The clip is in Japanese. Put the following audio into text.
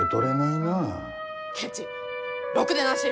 ケチろくでなし！